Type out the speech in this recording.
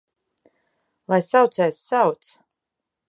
Lai saucējs sauc!